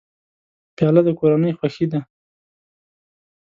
پیاله د کورنۍ خوښي ده.